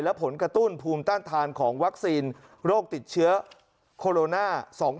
และผลกระตุ้นภูมิต้านทานของวัคซีนโรคติดเชื้อโคโรนา๒๐